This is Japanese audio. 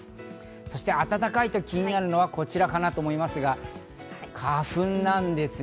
そして、暖かいと気になるのはこちらかなと思いますが、花粉なんですね。